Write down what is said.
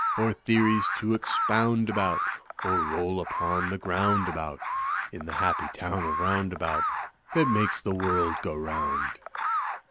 Or theories to expound about Or roll upon the ground about. In the happy town of Roundabout That makes the world go round."